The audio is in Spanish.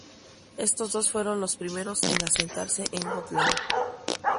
Estos dos fueron los primeros en asentarse en Gotland.